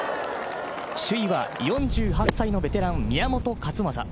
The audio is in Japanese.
首位は４８歳のベテラン、宮本勝昌。